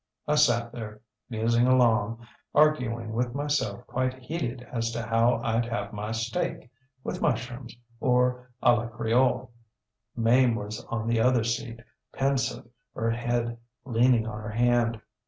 ŌĆ£I sat there, musing along, arguing with myself quite heated as to how IŌĆÖd have my steakŌĆöwith mushrooms, or ├Ā la cr├®ole. Mame was on the other seat, pensive, her head leaning on her hand.